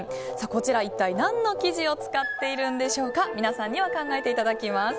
こちら、一体何の生地を使っているんでしょうか皆さんには考えていただきます。